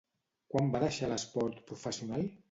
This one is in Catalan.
Quan va deixar l'esport professional?